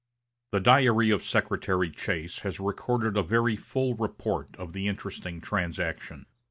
The diary of Secretary Chase has recorded a very full report of the interesting transaction.